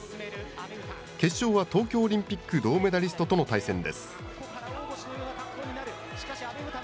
決勝は東京オリンピック銅メダリストとの対戦です。